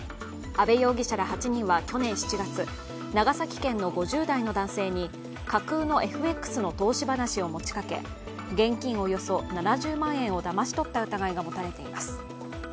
阿部容疑者ら８人は去年７月、長崎県の５０代の男性に架空のＦＸの投資話を持ちかけ、現金およそ７０万円をだまし取った疑いが持たれています。